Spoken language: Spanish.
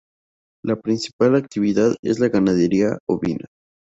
La principal actividad es la ganadería ovina.